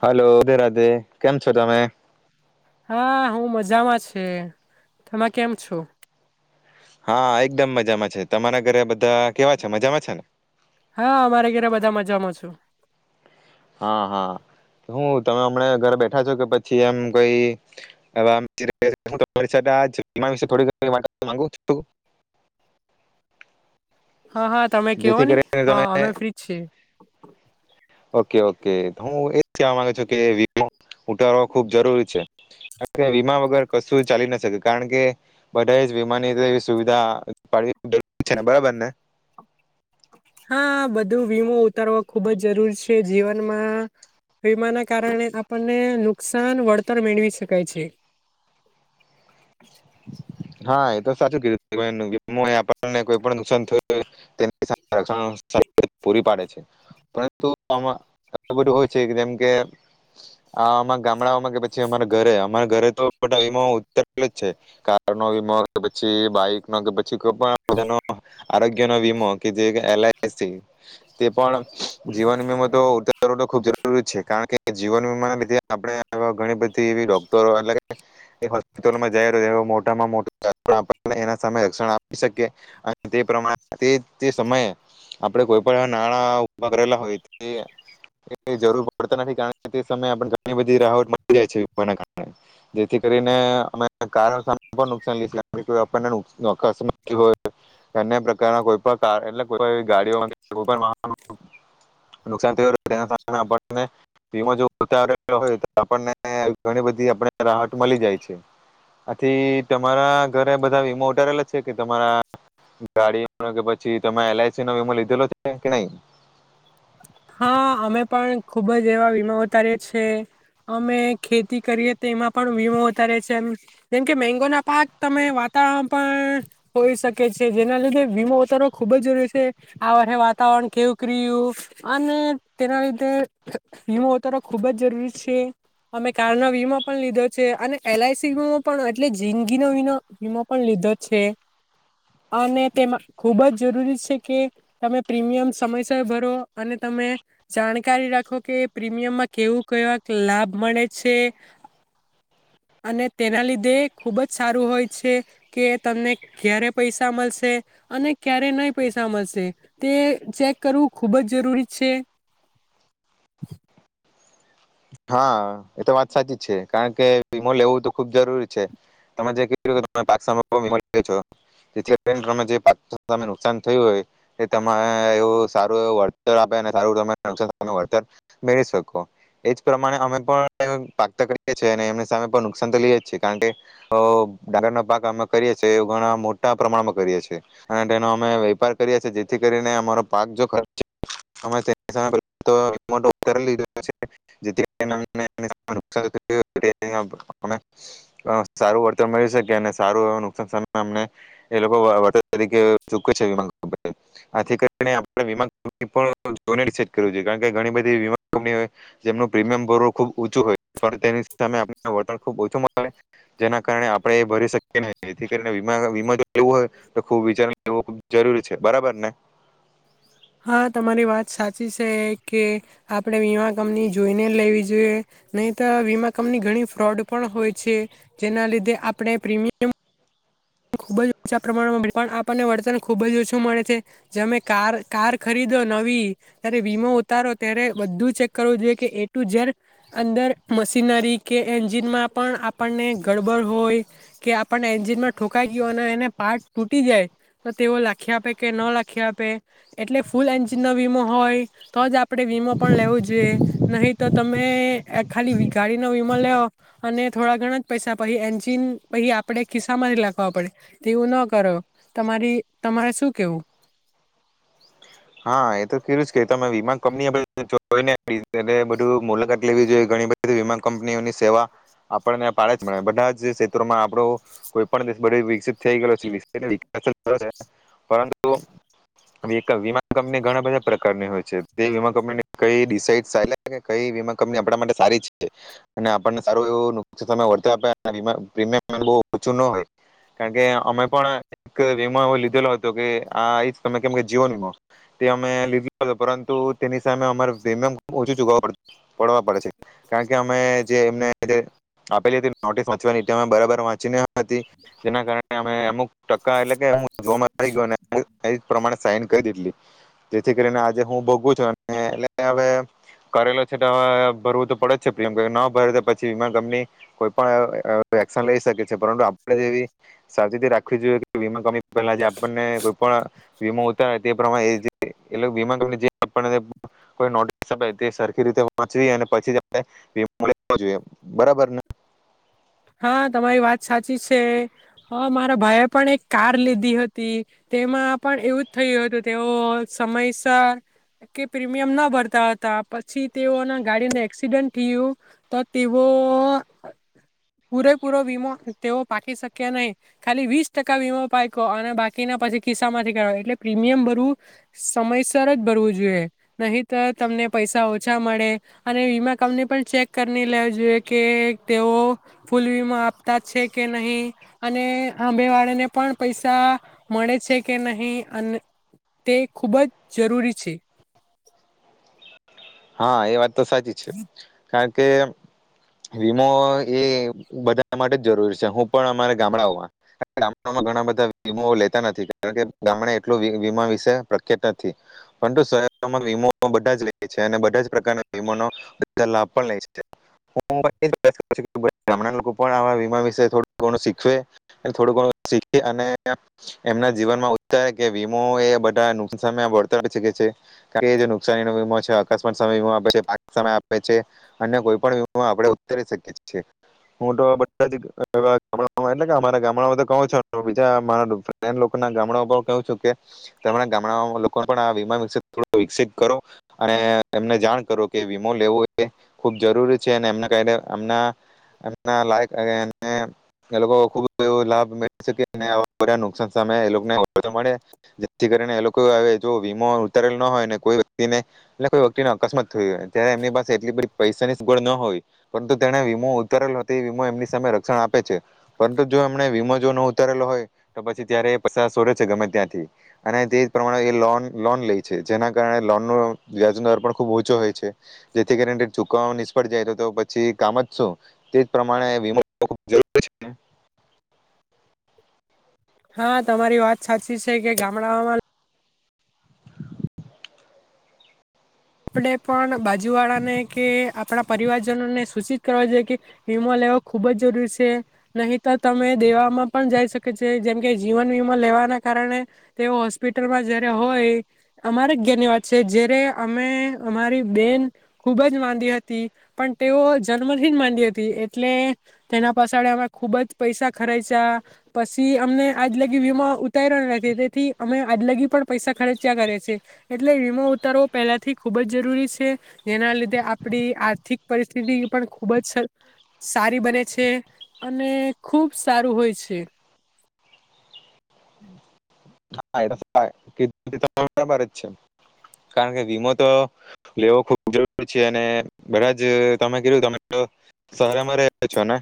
Hello Radhe Radhe. કેમ છો તમે હા, હું મજામાં છું. હમ્મ, તમે કેમ છો? હા એકદમ મજામાં છે. તમારા ઘરે બધા કેવા છે મજામાં છે ને? હા, અમારે ઘરે બધા મજામાં છું. હા હા હું તમે હમણા ઘરે બેઠા છો કે પછી એમ કોઈગ [unintelligible] હા હા, તમે કેવો જેથી ની કરીને હા તમે અમે ફ્રી જ છે. ઓકે ઓકે, હું એજ કહેવા માંગુ છું કે વીમો ઉતારવો ખુબ જરૂરી છે, કાર કે વીમા વગર કશું ચાલી ન શકે, કારણ કે બધાએ જ વીમાની એવી સુવિધા પાડવી [unintelligible] છે ને બરાબર ને? હ બધું વીમો ઉતારવો ખુબ જ જરૂર છે, જીવનમાં વીમાના કારણે આપર્ણે નુકસાન વળતર મેળવી શકાય છે. હા એ તો સાચું કીધું [unintelligible] કોઈ પણ નુકસાન થયું તે [unintelligible] પૂરી પાડે છે. પરંતુ આમાં [unintelligible] બધું હોય છે જેમકે આમાં ગામ ડાઓમાં કે પછી અમારા ઘરે, અમારા ઘરે જ તો બધા વીમો ઉ [unintelligible] છે કાર નો વિમો, કે પછી બાઈક નો કે પ છી કોઈ પણ [unintelligible] આરોગ્યનો વીમો કે જે એલ આઈ સી તે પણ જીવન વિમો તો ઉતારવો તો ખુબ જરૂરી છે. કારણ કે જીવન વીમા લીધે આપણે ઘણી બધી એવી ડોક્ટરો એટલે કે હોસ્પિટલોમાં જાહેર એવું મોટામાં મોટું આપણને એના સામે રક્ષણ આપી શકીએ અને તે પ્રમાણે તે તે સમયે આપણે કોઈ પણ નાણાં ઉભા કરેલા હોય તે જરૂર પડતા નથી. કારણ કે તે સમયે ઘણીબધી રાહત મળી જાય છે જેથી કરીને [inaudible] આથી તમારા ઘરે બધા વીમો ઉતારેલા છે કે તમારા ગાડીનો કે પછી તમામે એલ આઈ સી નો વીમો લીધેલો છે કે નહી? હા અમે પણ ખુબ જ એવા વીમા ઉતારીએ છે. અમે ખેતી કરીએ તો એમાં પણ વીમો ઉતારીએ છીએ. એમ જેમ કે મેંગો ના પાક તમે વાતાવરણ પણ હોઈ શકે છે. જેના લીધે વીમો ઉતારવો ખુબ જ જરૂરી છે આ વરહે વાતાવરણ કેવુંક રયુ અને તેના લીધે વીમો ઉતારો ખુબ જ જરૂરી છે. અમે કાર ના વીમો પણ લીધો છે અને એલ આઈ સી વીમા પણ એટલે જિંદગીનો વિ વીમો પણ લીધો છે અને તેમાં ખુબ જ જરૂરી છે કે તમે પ્રીમિયમ સમયસર ભરો અને તમે જાણકારી રાખો કે પ્રીમિયમમાં કેવું કેવાક લાભ મળે છે અને તેના લીધે ખુબ જ સારું હોય છે કે તમને ક્યારે પૈસા મળશે અને ક્યારે નહી પૈસા મળશે તે ચેક કરવું ખૂબ જ જરૂરી છે. હા એ તો વાત સાચી છે. કારણ કે વીમો લેવું તો ખુબ જરૂરી છે તમે જે કીધું [inaudible] પાછા [inaudible] મેળવી શકો છો. તેથી અત્યારે તમે જે પાકને નુકશાન થયું હોય તે તમેં એ સારું એવું વળતર આપે ને સારું તમને [inaudible] બેહી શકો. એ જ પ્રમાણે અમે પણ પાક તો કરીએ છીએ અને એમની સામે પણ નુકસાન તો લઈએ છીએ. કારણ કે અ ડાંગરનો પાક અમે કરીએ છીએ એ ઘણા મોટા પ્રમાણમાં કરીએ છીએ અને તેનો અમે વેપાર કરીએ છીએ. જેથી કરીને અમારો પાક જો [inaudible] [inaudible] જેમનું પ્રીમિયમ ભરું ખુબ ઊંચું હોય પણ તેની તમે આપી વળતર ખુબ ઓછું મળે જેના કારણે આપણે એ ભરી શકીએ નહી. જેથી કરીને વીમા વીમો જો લેવું હોય તો ખૂબ વિચાર લે જરૂરી છે. બરાબર ને? હા તમારી વાત સાચી છે કે આપણે વીમા કંપની જોઈને લેવી જોઈએ નહીં. તો વીમા કંપની ઘણી ફ્રોડ પણ હોય છે. જેના લીધે આપણે પ્રીમિયમ ખુબ જ ઓછા પ્રમાણમાં મેળ પણ આપણને વળતર ખુબ જ ઓછું મળે છે. જેમે કાર કાર ખરીદો નવી જ્યારે વીમો ઉતારો ત્યારે બધું ચેક કરવું જોઈએ કે એટું જેર અંદર મશીનરી કે એન્જિનમાં પણ આપણને ગડબડ હોય કે આપણને એન્જિનમાં ઠોંકાઈ ગયો અને એને પાર્ટ તૂટી જાય તો તેઓ લખી આપે કે ન લખી આપે એટલે ફૂલ એન્જિનનો વીમો હોય તો જ આપણે વીમો પણ લેવો જોઈએ. નહીં તો તમે ખાલી ગાડીનો વીમો લેઓ અને થોડા ઘણા જ પૈસા પછી એન્જિન પછી આપણે ખિસ્સામાંથી લાખ વા પડે તેવું ન કરો. તમારી તમારે શું કેવું? હા એ તો તેવું જ કે વીમા કંપનીઓ બધી જોઈને એ બધું મુલાકાત લેવી જોઈએ. ઘણી બધી વીમા કંપનીઓની સેવા આપને પાળે જ મળે બધા જ ક્ષેત્રોમાં આપડો કોઈ પણ [inaudible] બધે વિકસિત થઈ ગેલો છે [inaudible] વીમા કંપની ઘણા બધા પ્રકારની હોય છે તે વીમા કંપની કઈ ડિસાઇડ [inaudible] કઈ વીમા કંપની આપણા માટે સારી છે અને આપણને સારું એવું નુક [inaudible] આપેમિયમ બો ઓછું ન હોય. કારણકે અમે પણ એક વીમા એવો લીધેલો હતો કે આ એ જ તમે કેમ કે જીવો વીમો તે અમે લીધલો હતો. પરંતુ તેની સામે અમારે પ્રીમિયમ ઓછું ચૂકવ પડવા પડે છે. કારણ કે અમે જે એમને જે આપેલી હતી નોટિસ વાંચવાની તે અમે બરાબર વાંચી ન હતી જેના કારણે અમે અમુક ટકા એટલે કે જો આવી ગયો એ જ પ્રમાણે સાઈન કરી દીધલી જેથી કરીને આજે હું ભોગું છું અને એટલે હવે કરેલો છે તો હવે ભરવું તો પડે જ છે પ્રિયમ કે ન ભરે તો પછી વીમા કંપની કોઈ પણ એક્શન લઈ શકે છે. પરંતુ આપડે જેવી સાવચીતી રાખવી જોઈએ કે વીમા કંપની પહેલા જે આપણને કોઈ પણ વીમા ઉતાર તે [inaudible] વીમા કંપની જે પણ [inaudible] સરખી રીતે વાંચીને પછી જ વીમો લેવો જોઈએ. બરોબર ને? હા તમારી વાત સાચી છે. હા મારા ભાઈએ પણ એક કાર લીધી હતી તેમાં પણ એવું જ થયું હતું તેઓ સમયસર કે પ્રીમિયમ ના ભરતા હતા પછી તેઓના ગાડીને એક્સિડન્ટ થયું તો તેઓ પૂરેપૂરો વીમો તેઓ પાકી શક્યા નહીં ખાલી વીસ ટકા વીમો પાયકો અને બાકીના પછી ખિસ્સામાંથી કારો એટલે પ્રીમિયમ ભરવું સમયસર જ ભરવું જોઈએ નહીં. તો તમને પૈસા ઓછા મળે અને વીમા કંપની પણ ચેક કરી ને લેવા જોઈએ કે તેઓ ફૂલ વીમા આપતા છે કે નહીં અને હામે વાળાને પણ પૈસા મળે છે કે નહી અને તે ખૂબ જ જરૂરી છે. હા એ વાત તો સાચી છે કારણ કે વીમો એ બધા માટે જ જરૂરી છે. હું પણ અમારે ગામડામાં ગામડામાં ઘણા બધા વીમો લેતા નથી. કારણ કે ગામડા એટલું વીમા વિશે પ્રખ્યાત નથી પરંતુ શહેરો વીમો બધા જ લે છે અને બધા જ પ્રકારના વિમાનો બધા લાભ પણ લે છે [inaudible] ગામડાના લોકો પણ આવા વીમા વિશે થોડું ગણું શીખવે અને એમને જીવનમાં [inaudible] વીમો એ બધા નુકસાને વળતર આપી શકે છે કે જે નુકશાની નો વીમો છે અકસ્માત સામે વીમો આપે છે પાક સામે આપે છે અન્ય કોઈ પણ વીમો આપણે ઉતરી શકીએ હું તો બધારા ગામડામાં તો કહુ છો બીજા ગામણા પણ કવું છું કે તમારા ગામડાઓ લોકોને પણ આ વીમા વિશે થોડુ વિકસિત કરો અને એમને જાણ કરો કે વીમો લેવો એ ખુબ જરૂરી છે અને એમના લાયક અને એ લોકો ખુબ એવો લાભ લઈ શકે. આવા પ્રકારના નુકશાન સામે લોકોને મળે જેથી કરીને એ લોકો હવે જો વીમો ઉતારેલ ન હોય કોઈ વ્યક્તિને એટલે શું અકસ્માત થઈ જાયએમની પાસે એટલી બધી પૈસાની સગવડ ન હોય પરંતુ તેને વીમો ઉતારેલો તે વીમો એમની સામે રક્ષણ આપે છે. પરંતુ જો એમને વીમો જો ન ઉતારેલો હોય તો પછી ત્યારે એ પૈ સોરેે છે ગમે ત્યાંથી અને તે જ પ્રમાણે એ લોન લોન લઈ છે જેના કારણે લોન નુ વ્યાજ પણ ખૂબ ઉંચો હોય છે. જેથી કરીને ચૂકવ નિષ્ફળ જાય તો તો પછી કામ જ શું તે જ પ્રમાણે વીમો [inaudible] ખૂબ જરૂરી છે. હા તમારી વાત સાચી છે કે ગામડાઓમાં આપણે પણ બાજુ વાળાને કે આપણા પરિવારજનોને સૂચિત કરવા જોઈએ કે વીમાો લેવો ખુબ જ જરૂરી શે નહી તો તમે દેવામાં પણ જઈ શકે છે જેમ કે જીવન વીમા લેવાના કારણે તેઓ હોસ્પિટલમાં જય્યારે હોય અમારે જ ધેર ની વાત છે જ્યારે અમે અમારી બેન ખૂબ જ માંદી હતી પણ તેઓ જન્મથી જ માંદી હતી એટલે તેના પાછળે અમે ખૂબ જ પૈસા ખર્ચ્યા પછી અમને આજલગી વીમા ઉતાર્યો નથી તેથી અમે આજલગી પણ પૈસા ખર્ચ્યા કરે છેએ એટલે વીમા ઉતારવો પહેલાથી ખૂબ જ જરૂરી છે. જેના લીધે આપડી આર્થિક પરિસ્થિતિ પણ ખૂબ જ સારી બને છે અને ખૂબ સારું હોય છે. [inaudible] બરાબર જ છે કારણ કે વીમો તો લેવો ખુબ જરૂર છે અને બધા જ તમે કીધું તમે હલો સારા મે રહ્યો છો ને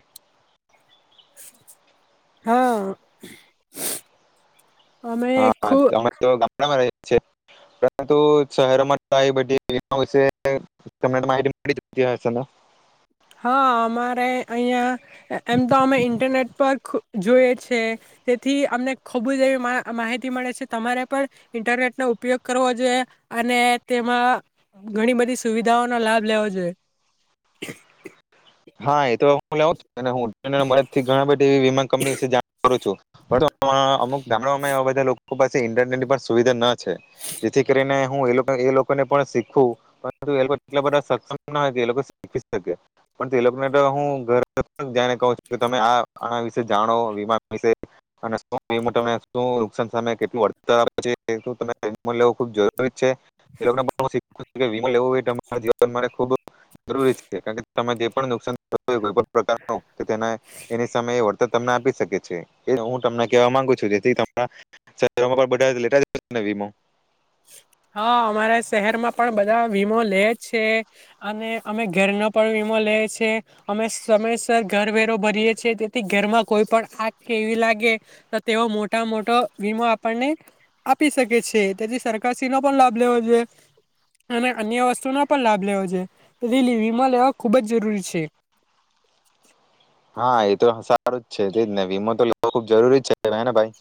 હા અમે ખૂબ હા તો ગામડામાં રહે પરંતુ શહેરોમાં બધી વિશે તમને માહિતી મળી જતી હશે ને હા અમારે અહીયાં એમ તો અમે ઇન્ટરનેટ પર જોઈએ છે તેથી અમને ખૂબ જ એવી માહિતી મળે છે તમારે પણ ઇન્ટરનેટનો ઉપયોગ કરવો જોઈએ અને તેમાં ઘણી બધી સુવિધાઓનો લાભ લેવો જોઈએ હા એ તો હું લેઉ અને હું મદદથી ઘણા બધી એવી વિમા કંપની વિશે જાણ કરું છું બરોબ પણ અમુક ગામડામાં એવા બધા લોકો લોકો પાસે ઇન્ટરનેટની પણ સુવિધા ન છે જેથી કરીને હું એ લોકોને પણ શીખું એટલા બધા સક્ષમ ના હોય કે એ લોકો શીખી શકે પણ તે લોકોને હું ઘર જઈને કહું છું કે તમે આ વિસે જાણો વમા નકાન સામે કેટલુંળતર છે લેવ ખબ જરૂરી છે એમ લોકો ના ભવિસ્ય વીમા લેવું હોરા જીવન માટે ખુબ જરૂરી છે કારણ તમે જે પણ નુકસાન થું હો કોઈ પણ પ્રકારનું તે એની સામે વળતર તમને આપી શકે છે એ હું તમને કેવા માંગુ છું જેથી શરોમાં પણ બધા લેતાજ હશે વીમો હા અમારા શહેરમાં પણ બધા વીમો લે છે અને અમે ઘરનો પણ વીમો લેીએ અમે સમયસર ઘર વરો ભરીએ છીએ તેથી ઘરમાં કોઈ પણ આગ કેવી લાગે તો તેઓ મોટા મોટો વીમો આપણને આપી શકે છે તેથી સરકાર ચકાસી નો પણ લાભ લેવો જો અને અન્ય વસ્તુનો પણ લાભ લેવો જો વીમા લેવા ખુબ જ જરૂરી છે હા એ તો સારું જ છે તેજ ને વીમો તો લેવ ખુબ જરૂરી જ છે હેને ભાઈ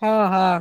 હા હા